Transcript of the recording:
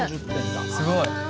すごい。